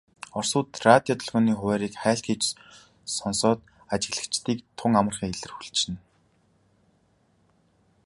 Оросууд радио долгионы хуваарийг хайлт хийж сонсоод ажиглагчдыг тун амархан илрүүлчихнэ.